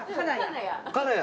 金谷。